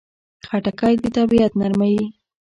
خټکی د طبعیت نرموي.